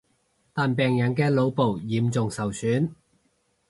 但病人嘅腦部嚴重受損